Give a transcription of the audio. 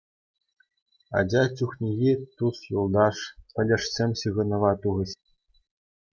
Ача чухнехи тус-юлташ, пӗлӗшсем ҫыхӑнӑва тухӗҫ.